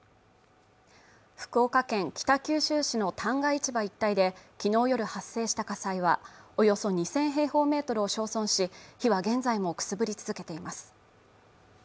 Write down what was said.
福岡県北九州市の旦過市場一帯できのう夜発生した火災はおよそ２０００平方メートルを焼損し火は現在もくすぶり続けています